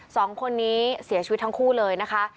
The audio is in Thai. สองคนนี้เสียชีวิตทั้งคู่เลยนะคะ